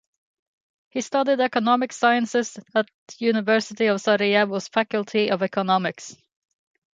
He studied economic sciences at University of Sarajevo's Faculty of Economics.